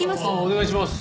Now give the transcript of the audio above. お願いします。